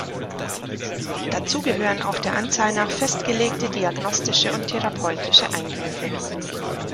Dazu gehören auch der Anzahl nach festgelegte diagnostische und therapeutische Eingriffe.